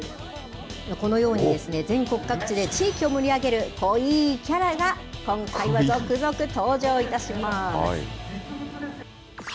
このように、全国各地で地域を盛り上げる濃いキャラが今回は続々登場いたします。